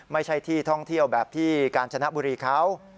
ไม่ใช่ที่ท่องเที่ยวแบบที่กาญจนบุรีเขา